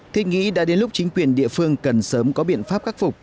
thế nghĩ đã đến lúc chính quyền địa phương cần sớm có biện pháp khắc phục